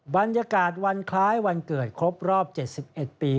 บรรยากาศวันคล้ายวันเกิดครบรอบ๗๑ปี